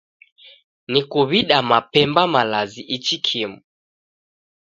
Nikuw'ida mapemba malazi ichi kimu